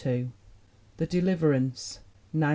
The Deliverance, 1904.